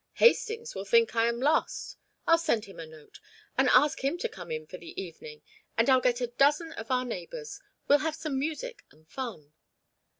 "Hastings will think I am lost " "I'll send him a note, and ask him to come in for the evening, and I'll get in a dozen of our neighbours. We'll have some music and fun."